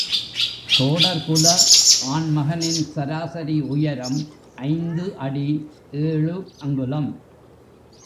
தோடர்குல ஆண்மகனின் சராசரி உயரம் ஐந்து அடி ஏழு அங்குலம்.